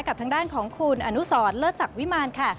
กับทางด้านของคุณอนุสรเลิศศักดิ์วิมารค่ะ